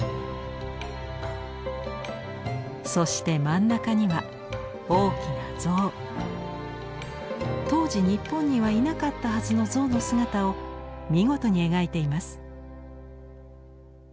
そして真ん中には大きな象。当時日本にはいなかったはずの象の姿を見事に描いています。